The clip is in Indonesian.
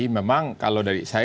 memang kalau dari